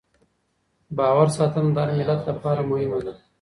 باور ساتنه د هر ملت لپاره مهمه ده.